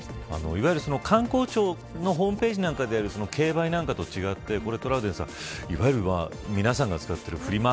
いわゆる官公庁のホームページなんかでやる競売なんかとは違っていわゆる皆さんが使っているフリマ